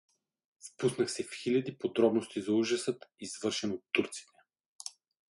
Впуснах се в хиляди подробности за ужасът, извършен от турците.